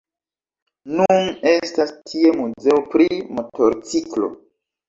Nun estas tie muzeo pri Motorciklo.